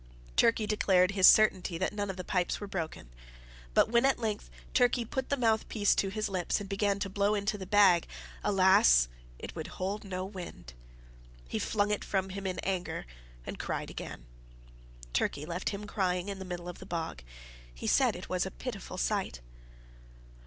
Turkey declared his certainty that none of the pipes were broken; but when at length Willie put the mouthpiece to his lips, and began to blow into the bag, alas! it would hold no wind. He flung it from him in anger and cried again. Turkey left him crying in the middle of the bog. He said it was a pitiful sight.